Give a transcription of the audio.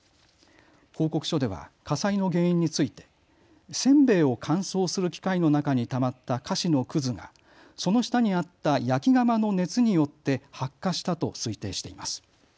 報告書では火災の原因についてせんべいを乾燥する機械の中にたまった菓子のくずがその下にあった焼き釜の熱によって発火したと推定しています。